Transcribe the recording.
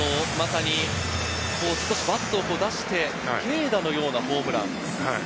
バットを出して、軽打のようなホームラン。